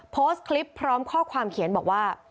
โพสต์คลิปพร้อมข้อความเขียนบอกว่า